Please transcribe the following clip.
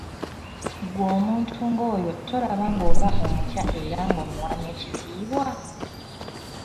Ggwe omuntu ng'oyo tolaba ng'oba omutya era ng'omuwa n'ekitiibwa?